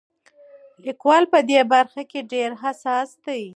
لیکوال په دې برخه کې ډېر حساس دی.